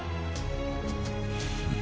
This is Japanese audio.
フッ。